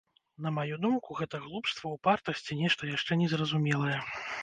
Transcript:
На маю думку, гэта глупства, упартасць ці нешта яшчэ незразумелае.